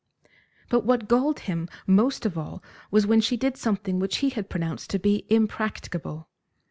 But what galled him most of all was, when she did something which he had pronounced to be impracticable.